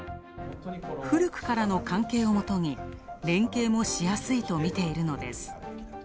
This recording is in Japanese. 古くからの関係をもとに連携もしやすいと見ているのです。